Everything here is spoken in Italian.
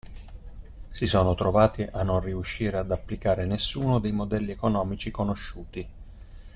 Si sono trovati a non riuscire ad applicare nessuno dei modelli economici conosciuti.